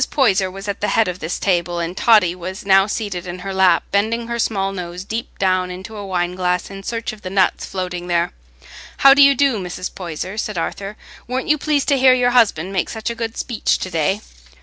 Poyser was at the head of this table, and Totty was now seated in her lap, bending her small nose deep down into a wine glass in search of the nuts floating there. "How do you do, Mrs. Poyser?" said Arthur. "Weren't you pleased to hear your husband make such a good speech to day?"